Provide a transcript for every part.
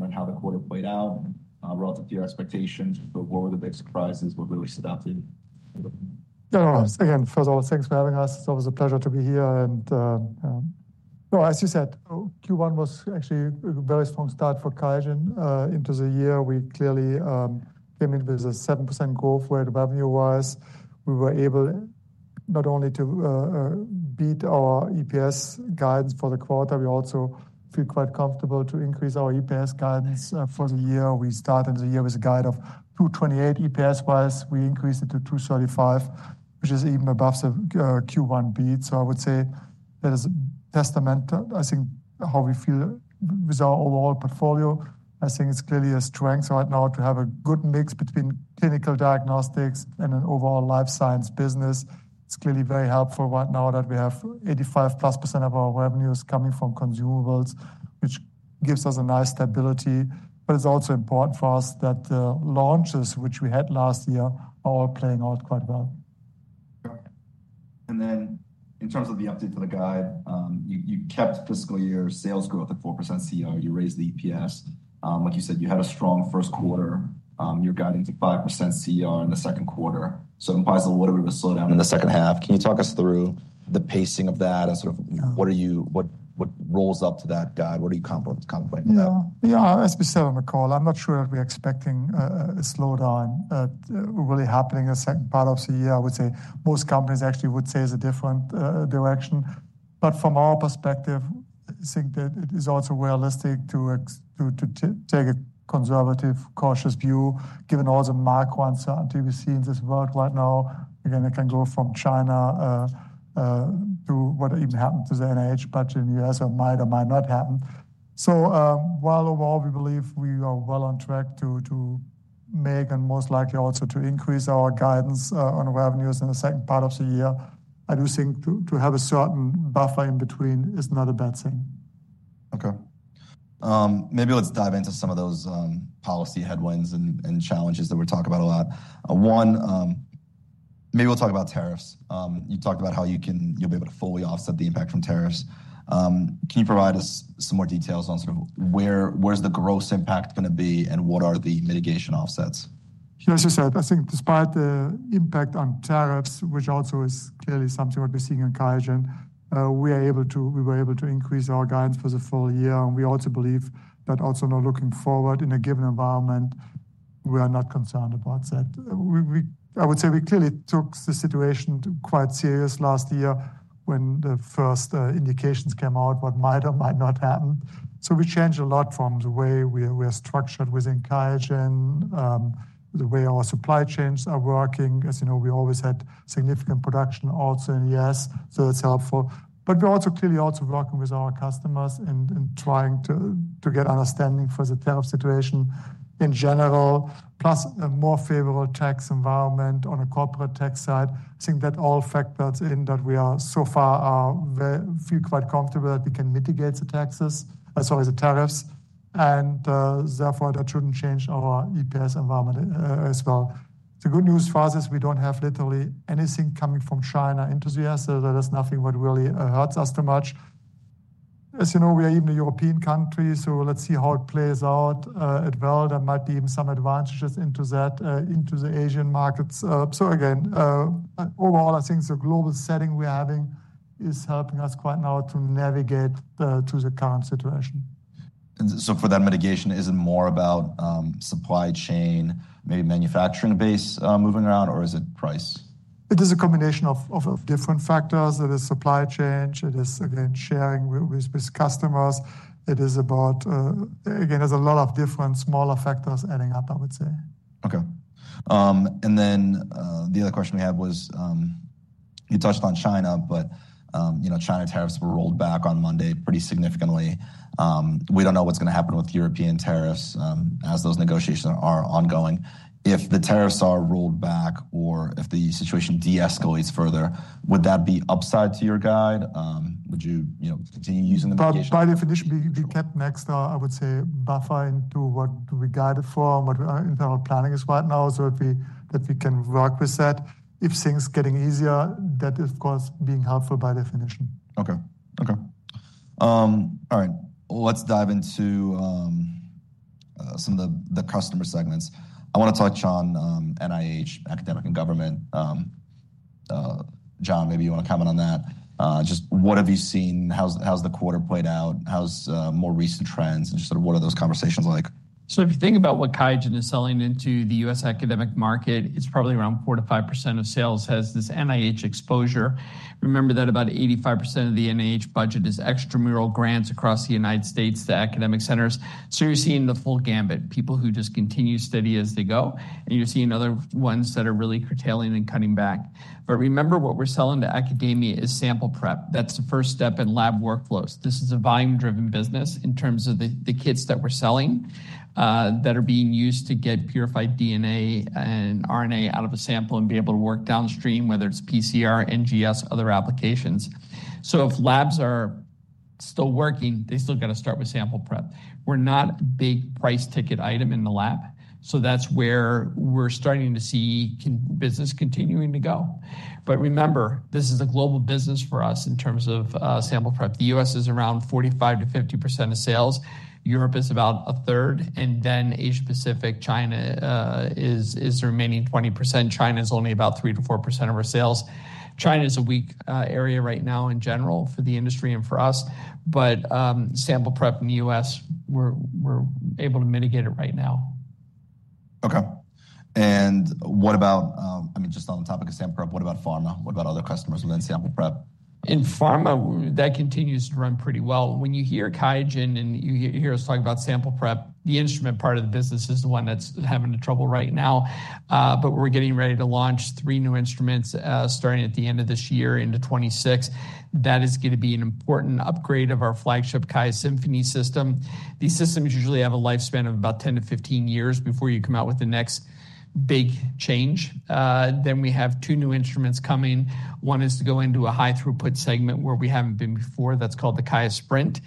On how the quarter played out, relative to your expectations, what were the big surprises? What really stood out to you? Again, first of all, thanks for having us. It's always a pleasure to be here. As you said, Q1 was actually a very strong start for QIAGEN into the year. We clearly came in with a 7% growth where the revenue was. We were able not only to beat our EPS guidance for the quarter, we also feel quite comfortable to increase our EPS guidance for the year. We started the year with a guide of 2.28 EPS-wise. We increased it to 2.35, which is even above the Q1 beat. I would say that is testamentary, I think, how we feel with our overall portfolio. I think it's clearly a strength right now to have a good mix between clinical diagnostics and an overall life science business. It's clearly very helpful right now that we have 85%+ of our revenues coming from consumables, which gives us a nice stability. It is also important for us that the launches, which we had last year, are all playing out quite well. In terms of the update to the guide, you kept fiscal year sales growth at 4% CER, you raised the EPS. Like you said, you had a strong first quarter, you're guiding to 5% CER in the second quarter. That implies a little bit of a slowdown in the second half. Can you talk us through the pacing of that and sort of what are you, what rolls up to that guide? What are you contemplating? Yeah, as we said, I'm not sure that we're expecting a slowdown really happening in the second part of the year. I would say most companies actually would say it's a different direction. From our perspective, I think that it is also realistic to take a conservative, cautious view, given all the macro uncertainty we've seen in this world right now. Again, it can go from China to what even happened to the NIH budget in the U.S. or might or might not happen. While overall we believe we are well on track to make and most likely also to increase our guidance on revenues in the second part of the year, I do think to have a certain buffer in between is not a bad thing. Okay. Maybe let's dive into some of those policy headwinds and challenges that we're talking about a lot. One, maybe we'll talk about tariffs. You talked about how you'll be able to fully offset the impact from tariffs. Can you provide us some more details on sort of where's the gross impact going to be and what are the mitigation offsets? As you said, I think despite the impact on tariffs, which also is clearly something we've been seeing in QIAGEN, we were able to increase our guidance for the full year. We also believe that also now looking forward in a given environment, we are not concerned about that. I would say we clearly took the situation quite serious last year when the first indications came out what might or might not happen. We changed a lot from the way we are structured within QIAGEN, the way our supply chains are working. As you know, we always had significant production also in the U.S., so it's helpful. We are also clearly also working with our customers and trying to get understanding for the tariff situation in general, plus a more favorable tax environment on a corporate tax side. I think that all factors in that we are so far feel quite comfortable that we can mitigate the taxes, as well as the tariffs. Therefore, that should not change our EPS environment as well. The good news for us is we do not have literally anything coming from China into the U.S., so there is nothing that really hurts us too much. As you know, we are even a European company, so let us see how it plays out as well. There might be even some advantages in that in the Asian markets. Again, overall, I think the global setting we are having is helping us quite now to navigate the current situation. For that mitigation, is it more about supply chain, maybe manufacturing base moving around, or is it price? It is a combination of different factors. It is supply chain. It is, again, sharing with customers. It is about, again, there are a lot of different smaller factors adding up, I would say. Okay. The other question we had was you touched on China, but China tariffs were rolled back on Monday pretty significantly. We do not know what is going to happen with European tariffs as those negotiations are ongoing. If the tariffs are rolled back or if the situation de-escalates further, would that be upside to your guide? Would you continue using the mitigation? By definition, we kept next, I would say, buffer into what we guided for and what our internal planning is right now so that we can work with that. If things are getting easier, that is, of course, being helpful by definition. Okay. Okay. All right. Let's dive into some of the customer segments. I want to touch on NIH, academic and government. John, maybe you want to comment on that. Just what have you seen? How's the quarter played out? How's more recent trends? And just sort of what are those conversations like? If you think about what QIAGEN is selling into the U.S. academic market, it's probably around 4%-5% of sales has this NIH exposure. Remember that about 85% of the NIH budget is extramural grants across the United States to academic centers. You're seeing the full gambit, people who just continue steady as they go, and you're seeing other ones that are really curtailing and cutting back. Remember, what we're selling to academia is sample prep. That's the first step in lab workflows. This is a volume-driven business in terms of the kits that we're selling that are being used to get purified DNA and RNA out of a sample and be able to work downstream, whether it's PCR, NGS, other applications. If labs are still working, they still got to start with sample prep. We're not a big price ticket item in the lab. That's where we're starting to see business continuing to go. Remember, this is a global business for us in terms of sample prep. The U.S. is around 45%-50% of sales. Europe is about a 1/3. Asia-Pacific, China is the remaining 20%. China is only about 3%-4% of our sales. China is a weak area right now in general for the industry and for us. Sample prep in the U.S., we're able to mitigate it right now. Okay. I mean, just on the topic of sample prep, what about pharma? What about other customers within sample prep? In pharma, that continues to run pretty well. When you hear QIAGEN and you hear us talk about sample prep, the instrument part of the business is the one that's having trouble right now. We are getting ready to launch three new instruments starting at the end of this year into 2026. That is going to be an important upgrade of our flagship QIAsymphony system. These systems usually have a lifespan of about 10-15 years before you come out with the next big change. We have two new instruments coming. One is to go into a high throughput segment where we have not been before. That is called the QIAsprint.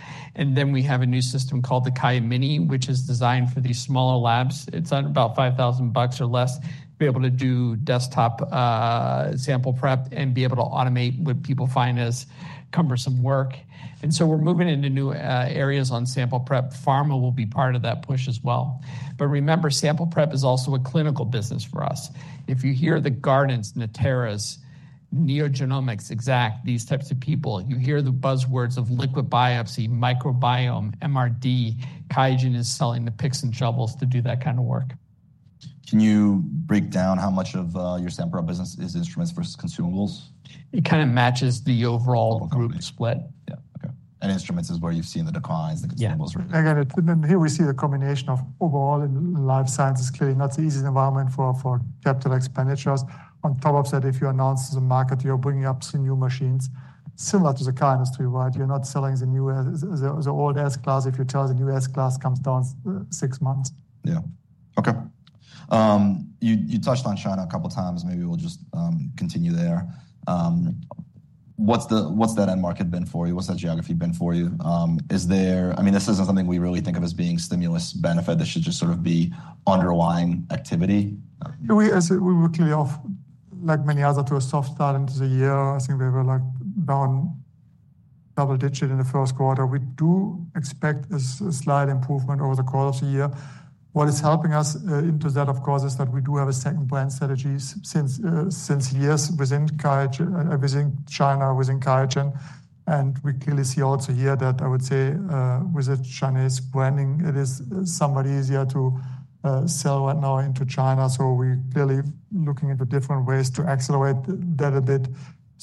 We have a new system called the QIA Mini, which is designed for these smaller labs. It's about $5,000 or less to be able to do desktop sample prep and be able to automate what people find as cumbersome work. We're moving into new areas on sample prep. Pharma will be part of that push as well. Remember, sample prep is also a clinical business for us. If you hear the Guardants, Natera, NeoGenomics, Exact, these types of people, you hear the buzzwords of liquid biopsy, microbiome, MRD, QIAGEN is selling the picks and shovels to do that kind of work. Can you break down how much of your sample prep business is instruments versus consumables? It kind of matches the overall group split. Yeah. Okay. Instruments is where you've seen the declines in consumables. Yeah. Here we see the combination of overall and life science is clearly not the easiest environment for capital expenditures. On top of that, if you announce to the market you're bringing up some new machines, similar to the car industry, right? You're not selling the old S-class if you tell the new S-class comes down six months. Yeah. Okay. You touched on China a couple of times. Maybe we'll just continue there. What's that end market been for you? What's that geography been for you? I mean, this isn't something we really think of as being stimulus benefit. This should just sort of be underlying activity. We were clearly off, like many others, to a soft start into the year. I think we were down double-digit in the first quarter. We do expect a slight improvement over the course of the year. What is helping us into that, of course, is that we do have a second brand strategy since years within China, within QIAGEN. And we clearly see also here that, I would say, with the Chinese branding, it is somewhat easier to sell right now into China. We are clearly looking into different ways to accelerate that a bit.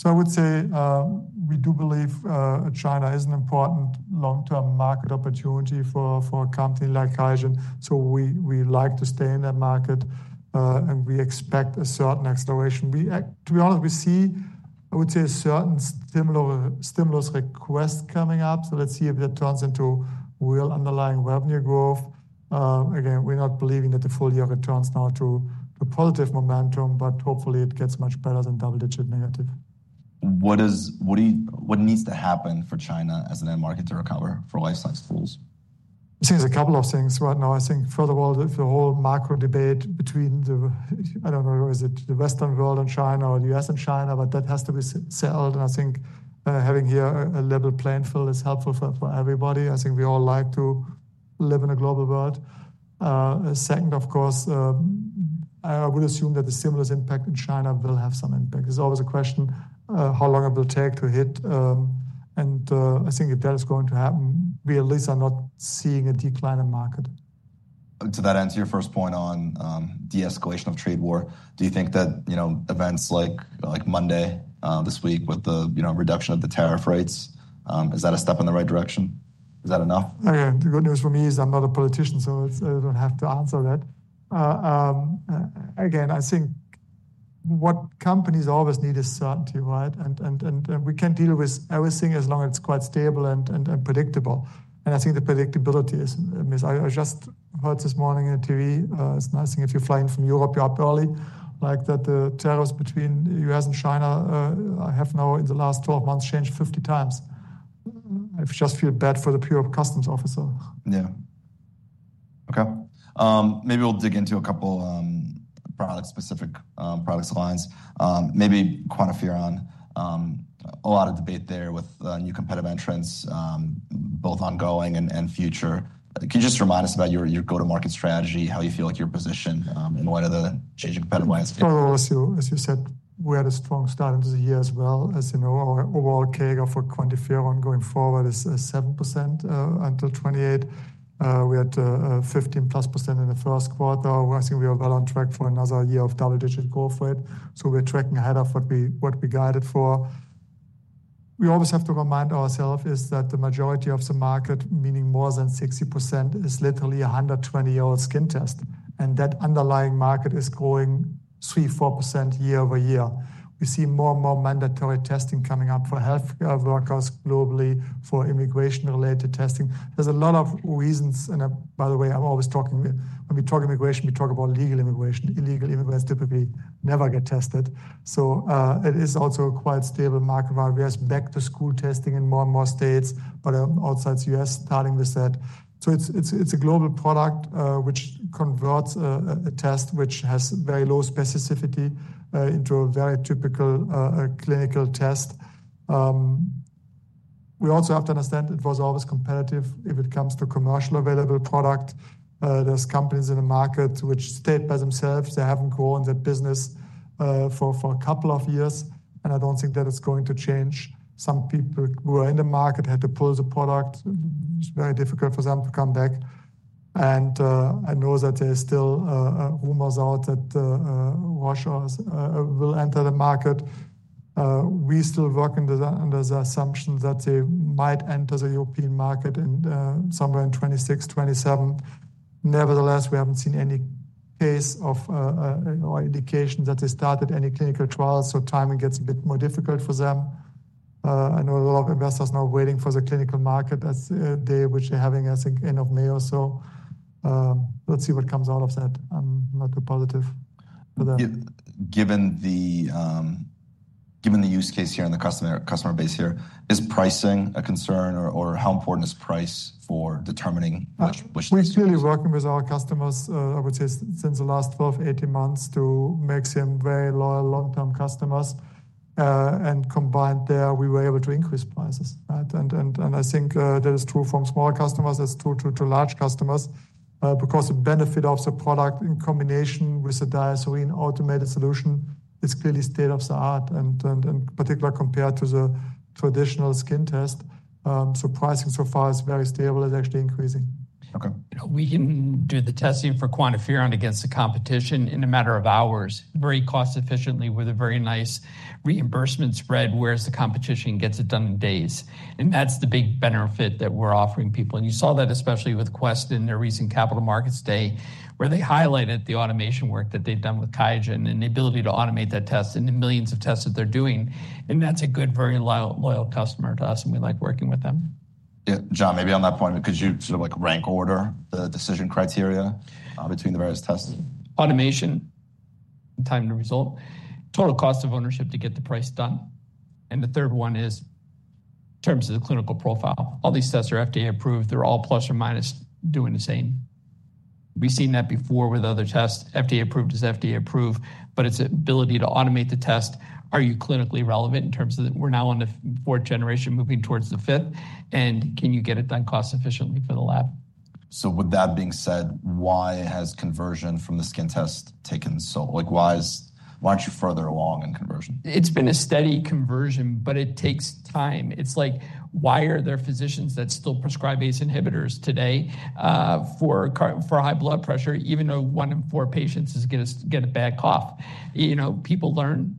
I would say we do believe China is an important long-term market opportunity for a company like QIAGEN. We like to stay in that market, and we expect a certain acceleration. To be honest, we see, I would say, a certain stimulus request coming up. Let's see if that turns into real underlying revenue growth. Again, we're not believing that the full year returns now to positive momentum, but hopefully it gets much better than double-digit negative. What needs to happen for China as an end market to recover for life science tools? I think there's a couple of things right now. I think, first of all, the whole macro debate between the, I don't know, is it the Western world and China or the U.S. and China, but that has to be settled. I think having here a level playing field is helpful for everybody. I think we all like to live in a global world. Second, of course, I would assume that the stimulus impact in China will have some impact. It's always a question how long it will take to hit. I think that is going to happen. We at least are not seeing a decline in market. To that end, to your first point on de-escalation of trade war, do you think that events like Monday this week with the reduction of the tariff rates, is that a step in the right direction? Is that enough? Again, the good news for me is I'm not a politician, so I don't have to answer that. I think what companies always need is certainty, right? We can deal with everything as long as it's quite stable and predictable. I think the predictability is a myth. I just heard this morning on TV, it's nothing if you're flying from Europe up early, like that the tariffs between the U.S. and China have now in the last 12 months changed 50 times. I just feel bad for the pure customs officer. Yeah. Okay. Maybe we'll dig into a couple of product-specific product lines. Maybe QuantiFERON, a lot of debate there with new competitive entrants, both ongoing and future. Can you just remind us about your go-to-market strategy, how you feel like you're positioned in light of the changing competitive landscape? As you said, we had a strong start into the year as well. As you know, our overall CAGR for QuantiFERON going forward is 7% until 2028. We had 15%+ in the first quarter. I think we are well on track for another year of double-digit growth rate. We are tracking ahead of what we guided for. We always have to remind ourselves that the majority of the market, meaning more than 60%, is literally a 120-year-old skin test. That underlying market is growing 3%-4% year-over-year. We see more and more mandatory testing coming up for healthcare workers globally, for immigration-related testing. There are a lot of reasons. By the way, I am always talking when we talk immigration, we talk about legal immigration. Illegal immigrants typically never get tested. It is also a quite stable market. We have back-to-school testing in more and more states, but outside the U.S., starting with that. It is a global product, which converts a test, which has very low specificity, into a very typical clinical test. We also have to understand it was always competitive if it comes to commercially available product. There are companies in the market which state by themselves they have not grown their business for a couple of years. I do not think that it is going to change. Some people who are in the market had to pull the product. It is very difficult for them to come back. I know that there are still rumors out that Russia will enter the market. We still work under the assumption that they might enter the European market somewhere in 2026, 2027. Nevertheless, we have not seen any case or indication that they started any clinical trials. Timing gets a bit more difficult for them. I know a lot of investors are now waiting for the clinical market, which they're having, I think, end of May or so. Let's see what comes out of that. I'm not too positive for that. Given the use case here and the customer base here, is pricing a concern or how important is price for determining which? We're clearly working with our customers, I would say, since the last 12-18 months to make them very loyal long-term customers. Combined there, we were able to increase prices. I think that is true from small customers. It's true to large customers because the benefit of the product in combination with the QIAcube automated solution is clearly state of the art, particularly compared to the traditional skin test. Pricing so far is very stable. It's actually increasing. Okay. We can do the testing for QuantiFERON against the competition in a matter of hours, very cost-efficiently with a very nice reimbursement spread, whereas the competition gets it done in days. That is the big benefit that we are offering people. You saw that especially with Quest in their recent Capital Markets Day, where they highlighted the automation work that they have done with QIAGEN and the ability to automate that test and the millions of tests that they are doing. That is a good, very loyal customer to us, and we like working with them. Yeah. John, maybe on that point, could you sort of rank order the decision criteria between the various tests? Automation, time to result, total cost of ownership to get the price done. The third one is in terms of the clinical profile. All these tests are FDA approved. They're all plus or minus doing the same. We've seen that before with other tests. FDA approved is FDA approved, but it's the ability to automate the test. Are you clinically relevant in terms of we're now on the fourth generation moving towards the fifth, and can you get it done cost-efficiently for the lab? With that being said, why has conversion from the skin test taken so long? Why aren't you further along in conversion? It's been a steady conversion, but it takes time. It's like, why are there physicians that still prescribe ACE inhibitors today for high blood pressure, even though one in four patients is going to get a bad cough? People learn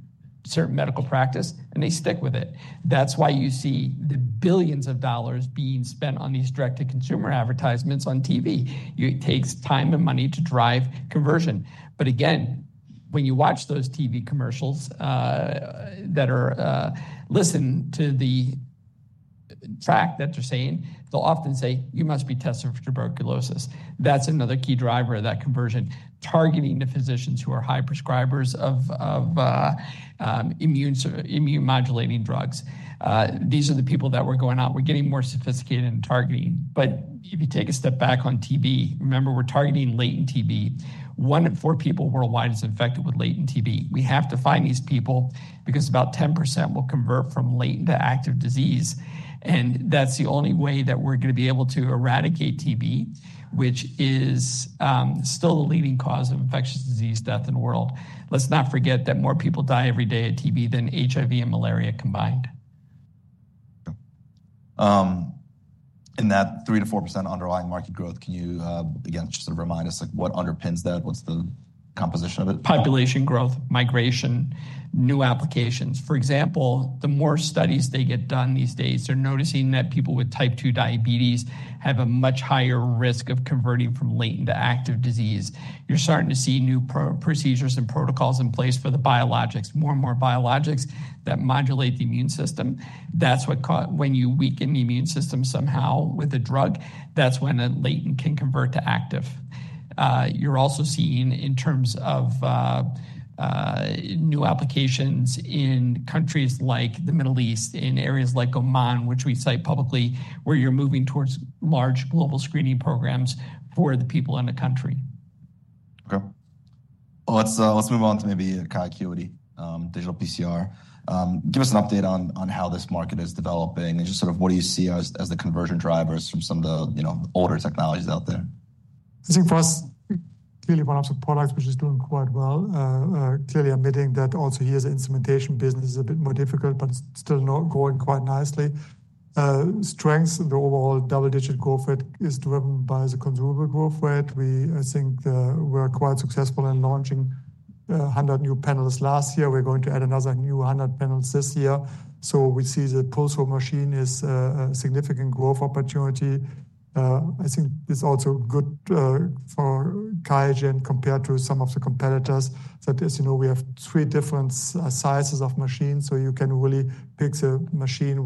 certain medical practice, and they stick with it. That's why you see the billions of dollars being spent on these direct-to-consumer advertisements on TV. It takes time and money to drive conversion. Again, when you watch those TV commercials that listen to the track that they're saying, they'll often say, "You must be testing for tuberculosis." That's another key driver of that conversion. Targeting the physicians who are high prescribers of immune-modulating drugs. These are the people that we're going out. We're getting more sophisticated in targeting. If you take a step back on TB, remember we're targeting latent TB. One in four people worldwide is infected with latent TB. We have to find these people because about 10% will convert from latent to active disease. That is the only way that we're going to be able to eradicate TB, which is still the leading cause of infectious disease death in the world. Let's not forget that more people die every day of TB than HIV and malaria combined. That 3%-4% underlying market growth, can you again just sort of remind us what underpins that? What's the composition of it? Population growth, migration, new applications. For example, the more studies they get done these days, they're noticing that people with type 2 diabetes have a much higher risk of converting from latent to active disease. You're starting to see new procedures and protocols in place for the biologics, more and more biologics that modulate the immune system. That's when you weaken the immune system somehow with a drug, that's when a latent can convert to active. You're also seeing in terms of new applications in countries like the Middle East, in areas like Oman, which we cite publicly, where you're moving towards large global screening programs for the people in the country. Okay. Let's move on to maybe QIAcuity, PCR. Give us an update on how this market is developing and just sort of what do you see as the conversion drivers from some of the older technologies out there? I think for us, clearly one of the products which is doing quite well, clearly admitting that also here the instrumentation business is a bit more difficult, but it's still going quite nicely. Strengths, the overall double-digit growth rate is driven by the consumable growth rate. I think we're quite successful in launching 100 new panels last year. We're going to add another new 100 panels this year. We see the Pulser Home machine is a significant growth opportunity. I think it's also good for QIAGEN compared to some of the competitors that, as you know, we have three different sizes of machines. You can really pick the machine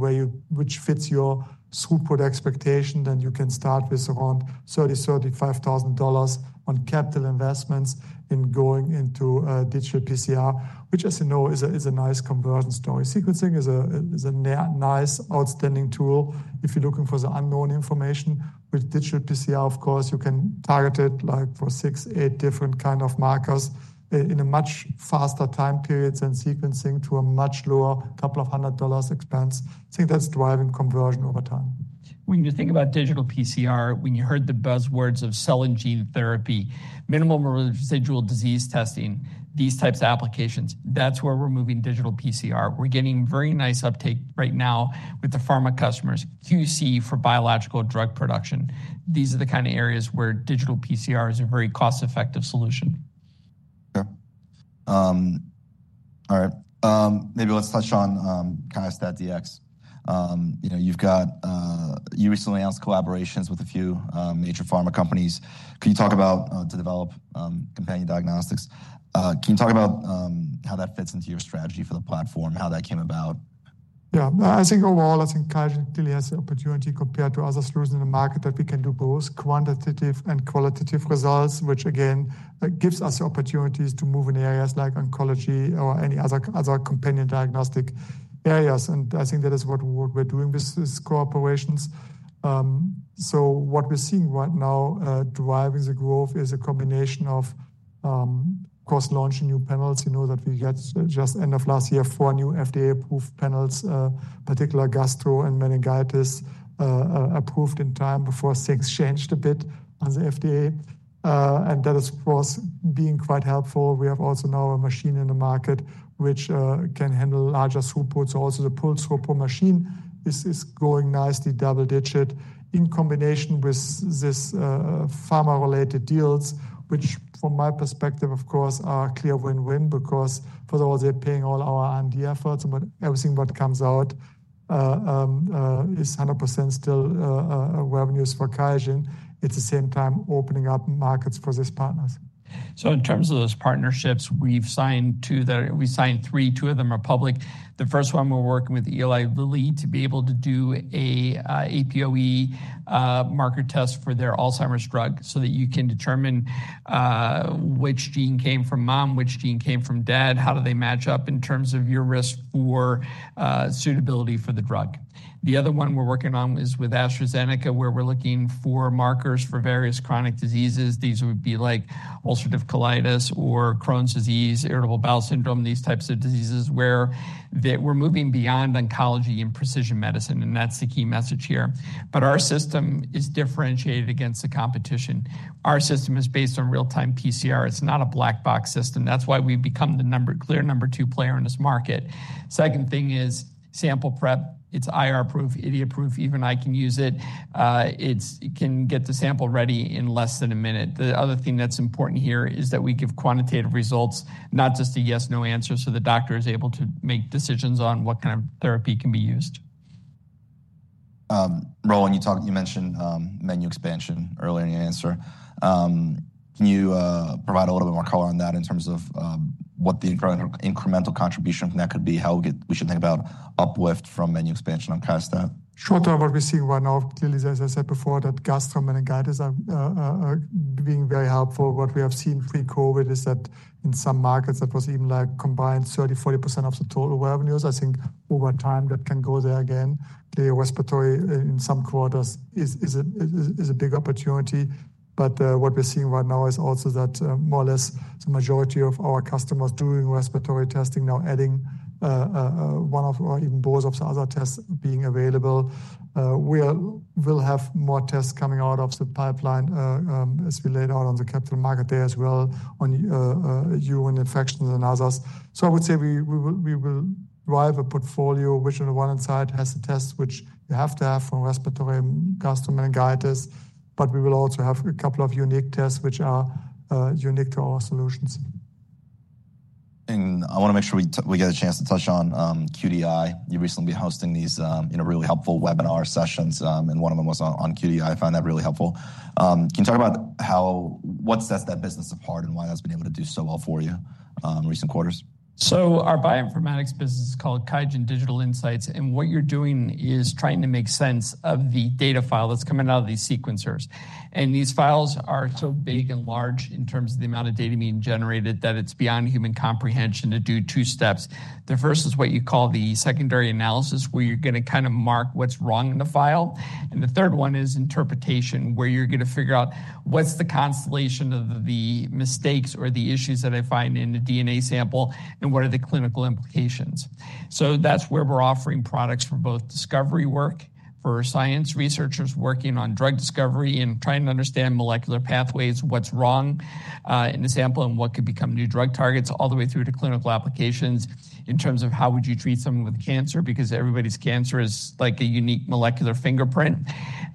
which fits your throughput expectation, and you can start with around $30,000, $35,000 on capital investments in going into Digital PCR, which, as you know, is a nice conversion story. Sequencing is a nice outstanding tool if you're looking for the unknown information. With Digital PCR, of course, you can target it for six, eight different kinds of markers in a much faster time period than sequencing to a much lower couple of hundred dollars expense. I think that's driving conversion over time. When you think about Digital PCR, when you heard the buzzwords of cell and gene therapy, minimal residual disease testing, these types of applications, that's where we're moving Digital PCR. We're getting very nice uptake right now with the pharma customers, QC for biological drug production. These are the kind of areas where Digital PCR is a very cost-effective solution. Okay. All right. Maybe let's touch on QIAstat-Dx. You've recently announced collaborations with a few major pharma companies. Can you talk about to develop companion diagnostics? Can you talk about how that fits into your strategy for the platform, how that came about? Yeah. I think overall, I think QIAGEN clearly has the opportunity compared to other solutions in the market that we can do both quantitative and qualitative results, which again gives us opportunities to move in areas like oncology or any other companion diagnostic areas. I think that is what we're doing with these cooperations. What we're seeing right now driving the growth is a combination of, of course, launching new panels. You know that we had just end of last year, four new FDA-approved panels, particularly gastro and meningitis, approved in time before things changed a bit on the FDA. That is, of course, being quite helpful. We have also now a machine in the market which can handle larger throughput. Also, the Pulse Home machine is going nicely double-digit in combination with these pharma-related deals, which from my perspective, of course, are a clear win-win because for all they're paying all our R&D efforts, but everything that comes out is 100% still revenues for QIAGEN. It's at the same time opening up markets for these partners. In terms of those partnerships, we've signed two. We signed three. Two of them are public. The first one, we're working with Eli Lilly to be able to do an APOE marker test for their Alzheimer's drug so that you can determine which gene came from mom, which gene came from dad, how do they match up in terms of your risk for suitability for the drug. The other one we're working on is with AstraZeneca, where we're looking for markers for various chronic diseases. These would be like ulcerative colitis or Crohn's disease, irritable bowel syndrome, these types of diseases where we're moving beyond oncology and precision medicine, and that's the key message here. Our system is differentiated against the competition. Our system is based on real-time PCR. It's not a black box system. That's why we've become the clear number two player in this market. Second thing is sample prep. It's IR-proof, idiot-proof. Even I can use it. It can get the sample ready in less than a minute. The other thing that's important here is that we give quantitative results, not just a yes-no answer, so the doctor is able to make decisions on what kind of therapy can be used. Roland, you mentioned menu expansion earlier in your answer. Can you provide a little bit more color on that in terms of what the incremental contribution from that could be, how we should think about uplift from menu expansion on QIAstat? Short term, what we're seeing right now, clearly, as I said before, that gastro and meningitis are being very helpful. What we have seen pre-COVID is that in some markets, that was even like combined 30-40% of the total revenues. I think over time that can go there again. Clearly, respiratory in some quarters is a big opportunity. What we're seeing right now is also that more or less the majority of our customers doing respiratory testing now, adding one or even both of the other tests being available. We will have more tests coming out of the pipeline as we lay it out on the capital market there as well on urine infections and others. I would say we will drive a portfolio which on the one hand side has the tests which you have to have from respiratory, gastro, meningitis, but we will also have a couple of unique tests which are unique to our solutions. I want to make sure we get a chance to touch on QDI. You recently have been hosting these really helpful webinar sessions, and one of them was on QDI. I found that really helpful. Can you talk about what sets that business apart and why that's been able to do so well for you in recent quarters? Our bioinformatics business is called QIAGEN Digital Insights, and what you're doing is trying to make sense of the data file that's coming out of these sequencers. These files are so big and large in terms of the amount of data being generated that it's beyond human comprehension to do two steps. The first is what you call the secondary analysis, where you're going to kind of mark what's wrong in the file. The third one is interpretation, where you're going to figure out what's the constellation of the mistakes or the issues that I find in the DNA sample, and what are the clinical implications. That's where we're offering products for both discovery work for science researchers working on drug discovery and trying to understand molecular pathways, what's wrong in the sample and what could become new drug targets, all the way through to clinical applications in terms of how would you treat someone with cancer because everybody's cancer is like a unique molecular fingerprint,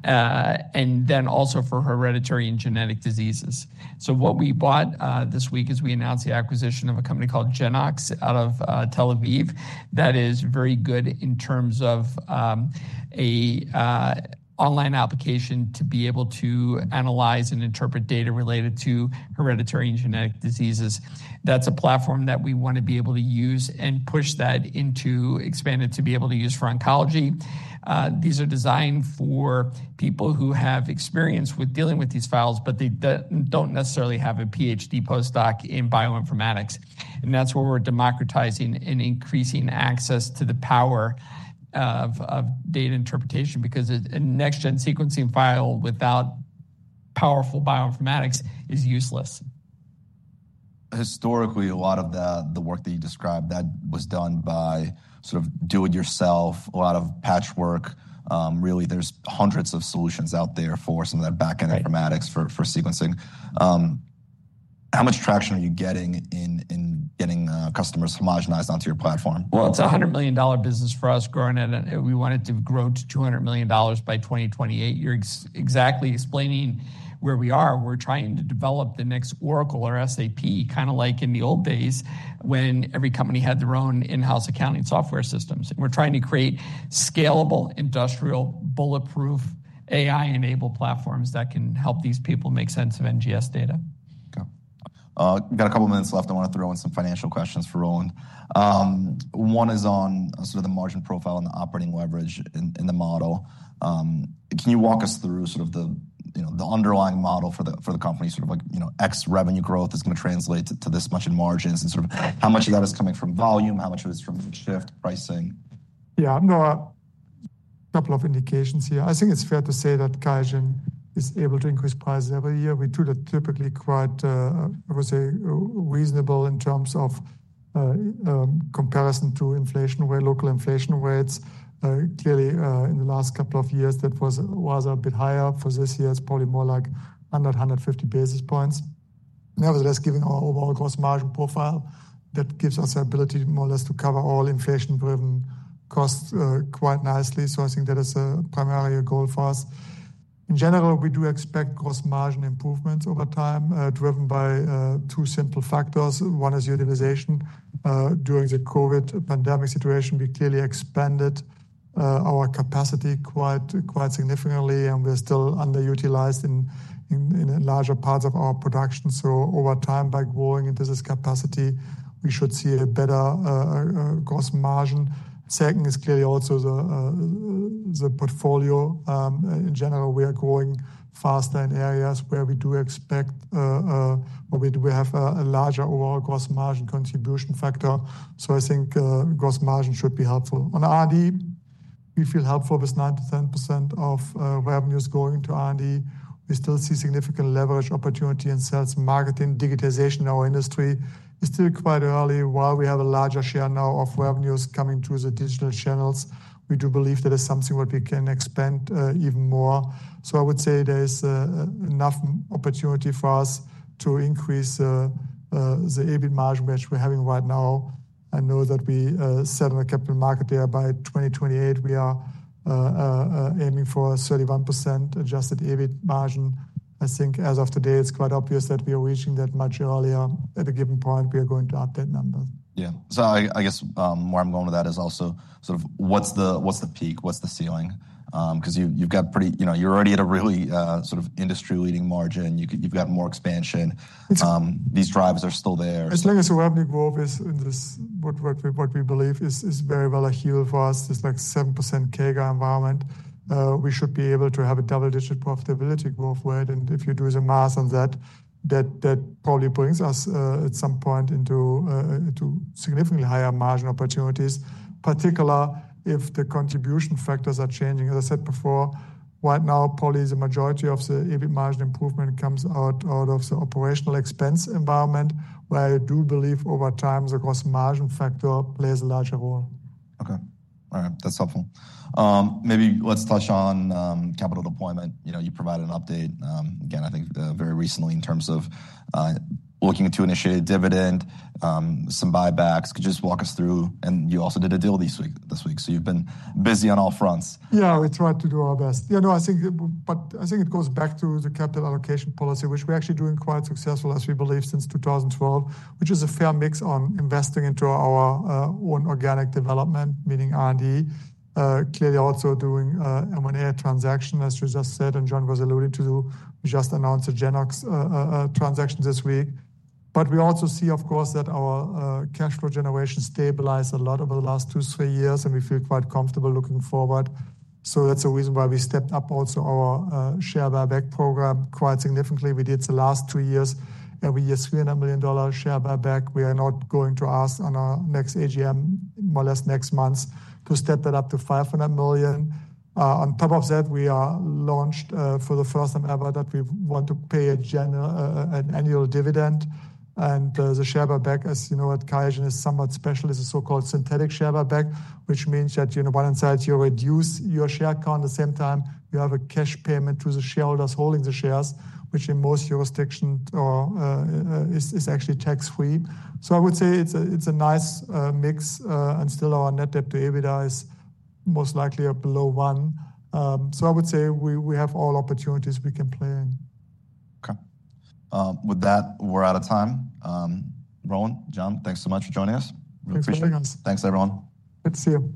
and then also for hereditary and genetic diseases. What we bought this week is we announced the acquisition of a company called Genoox out of TEL AVIV that is very good in terms of an online application to be able to analyze and interpret data related to hereditary and genetic diseases. That's a platform that we want to be able to use and push that into expanded to be able to use for oncology. These are designed for people who have experience with dealing with these files, but they do not necessarily have a PhD postdoc in bioinformatics. That is where we are democratizing and increasing access to the power of data interpretation because a next-gen sequencing file without powerful bioinformatics is useless. Historically, a lot of the work that you described, that was done by sort of do-it-yourself, a lot of patchwork. Really, there's hundreds of solutions out there for some of that back-end informatics for sequencing. How much traction are you getting in getting customers homogenized onto your platform? It's a $100 million business for us growing at it. We want it to grow to $200 million by 2028. You're exactly explaining where we are. We're trying to develop the next Oracle or SAP, kind of like in the old days when every company had their own in-house accounting software systems. We're trying to create scalable, industrial, bulletproof, AI-enabled platforms that can help these people make sense of NGS data. Okay. We've got a couple of minutes left. I want to throw in some financial questions for Roland. One is on sort of the margin profile and the operating leverage in the model. Can you walk us through sort of the underlying model for the company, sort of like X revenue growth is going to translate to this much in margins and sort of how much of that is coming from volume, how much of it is from shift pricing? Yeah. A couple of indications here. I think it's fair to say that QIAGEN is able to increase prices every year. We do that typically quite, I would say, reasonable in terms of comparison to inflation, where local inflation rates, clearly in the last couple of years, that was a bit higher. For this year, it's probably more like under 150 basis points. Nevertheless, given our overall gross margin profile, that gives us the ability more or less to cover all inflation-driven costs quite nicely. I think that is primarily a goal for us. In general, we do expect gross margin improvements over time driven by two simple factors. One is utilization. During the COVID pandemic situation, we clearly expanded our capacity quite significantly, and we're still underutilized in larger parts of our production. Over time, by growing into this capacity, we should see a better gross margin. Second is clearly also the portfolio. In general, we are growing faster in areas where we do expect we have a larger overall gross margin contribution factor. I think gross margin should be helpful. On R&D, we feel helpful with 9-10% of revenues going to R&D. We still see significant leverage opportunity in sales, marketing, digitization in our industry. It's still quite early. While we have a larger share now of revenues coming through the digital channels, we do believe that it's something that we can expand even more. I would say there's enough opportunity for us to increase the EBIT margin which we're having right now. I know that we set on the capital market there by 2028. We are aiming for a 31% adjusted EBIT margin. I think as of today, it's quite obvious that we are reaching that much earlier. At a given point, we are going to update numbers. Yeah. I guess where I'm going with that is also sort of what's the peak? What's the ceiling? Because you're already at a really sort of industry-leading margin. You've got more expansion. These drives are still there. As long as the revenue growth is in this, what we believe is very well achievable for us, this like 7% CAGR environment, we should be able to have a double-digit profitability growth. If you do the math on that, that probably brings us at some point into significantly higher margin opportunities, particularly if the contribution factors are changing. As I said before, right now, probably the majority of the EBIT margin improvement comes out of the operational expense environment, where I do believe over time the gross margin factor plays a larger role. Okay. All right. That's helpful. Maybe let's touch on capital deployment. You provided an update, again, I think very recently in terms of looking to initiate a dividend, some buybacks. Could you just walk us through? You also did a deal this week. You have been busy on all fronts. Yeah, we tried to do our best. Yeah, no, I think it goes back to the capital allocation policy, which we're actually doing quite successfully, as we believe, since 2012, which is a fair mix on investing into our own organic development, meaning R&D, clearly also doing M&A transactions, as you just said, and John was alluding to. We just announced a Genoox transaction this week. We also see, of course, that our cash flow generation stabilized a lot over the last two, three years, and we feel quite comfortable looking forward. That's a reason why we stepped up also our share buyback program quite significantly. We did the last two years, every year, $300 million share buyback. We are now going to ask on our next AGM, more or less next month, to step that up to $500 million. On top of that, we are launched for the first time ever that we want to pay an annual dividend. The share buyback, as you know, at QIAGEN is somewhat special. It is a so-called synthetic share buyback, which means that on one hand side, you reduce your share count, at the same time, you have a cash payment to the shareholders holding the shares, which in most jurisdictions is actually tax-free. I would say it is a nice mix, and still our net debt to EBITDA is most likely below one. I would say we have all opportunities we can play in. Okay. With that, we're out of time. Roland, John, thanks so much for joining us. Thanks for having us. Thanks, everyone. Good to see you.